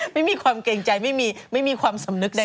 ไม่มีความเกรงใจไม่มีความสำนึกได้